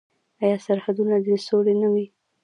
آیا سرحدونه دې د سولې نه وي؟